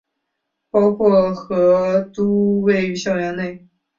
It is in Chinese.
包括和都位于校园内。